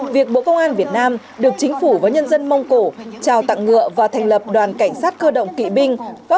việc bộ công an việt nam được chính phủ và nhân dân mông cổ trào tặng ngựa và thành lập đoàn cảnh sát cơ động kỵ binh